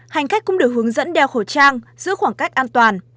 hành khách cũng được hướng dẫn đeo khẩu trang giữ khoảng cách an toàn